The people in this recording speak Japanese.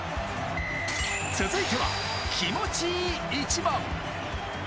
続いては、気持ちいいイチバン！